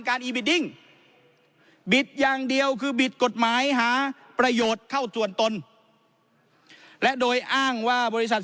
อีบิดดิ้งบิดอย่างเดียวคือบิดกฎหมายหาประโยชน์เข้าส่วนตนและโดยอ้างว่าบริษัท